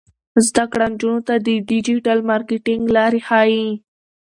زده کړه نجونو ته د ډیجیټل مارکیټینګ لارې ښيي.